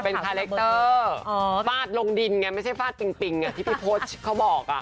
เป็นคาเล็กเตอร์ฟาดลงดินไงไม่ใช่ฟาดปิงที่พี่โพชเขาบอกอะ